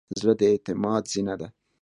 زړه د اعتماد زینه ده.